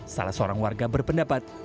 salah seorang warga berpendapat